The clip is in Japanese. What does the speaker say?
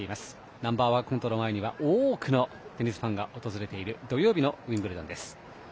ナンバー１コートの前には多くのテニスファンが訪れている土曜日のウィンブルドンです。